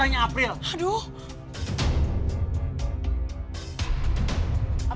puting nyawaku anak tuh s ans